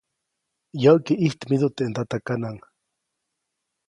Yäʼki ʼijtmidu teʼ ndatakanaʼŋ.